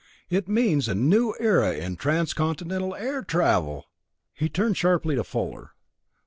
It means a new era in transcontinental air travel!" He turned sharply to Fuller.